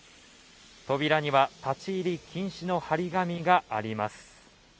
扉には立入禁止の貼り紙があります。